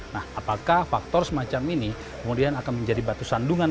nah apakah faktor semacam ini kemudian akan menjadi batu sandungan